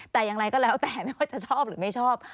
แต่อย่างไรก็แล้วแต่ไม่ว่าจะชอบหรือไม่ชอบ